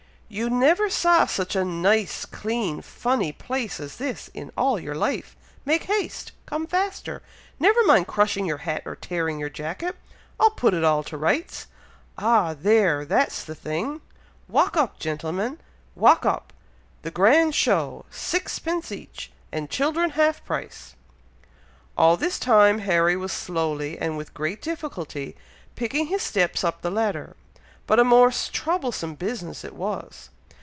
"You never saw such a nice, clean, funny place as this, in all your life! make haste! come faster! never mind crushing your hat or tearing your jacket, I'll put it all to rights. Ah! there! that's the thing! walk up, gentlemen! walk up! the grand show! sixpence each, and children half price!" All this time, Harry was slowly, and with great difficulty, picking his steps up the ladder, but a most troublesome business it was!